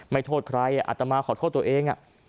โทษใครอัตมาขอโทษตัวเอง